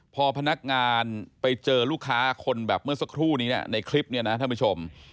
พอพนักงานไปเจอลูกค้าคนแบบเมื่อสักครู่นี้ในคลิปเนี่ยนะท่านผู้ชม